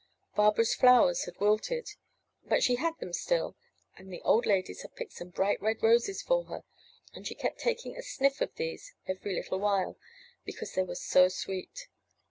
Barbara's flowers had wilted, but she had them still, and the old ladies had picked some bright red roses for her, and she kept taking a sniff of these every little while, because they were so sweet.